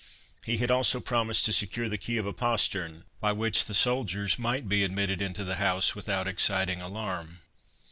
He had also promised to secure the key of a postern, by which the soldiers might be admitted into the house without exciting alarm.